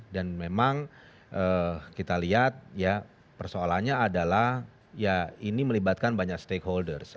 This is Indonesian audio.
dan memang kita lihat ya persoalannya adalah ya ini melibatkan banyak stakeholders